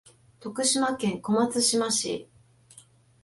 徳島県小松島市